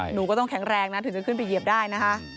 หนูก็ต้องแข็งแรงนะถึงจะขึ้นไปเหยียบได้นะคะ